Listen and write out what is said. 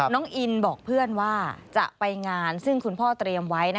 น้องอินบอกเพื่อนว่าจะไปงานซึ่งคุณพ่อเตรียมไว้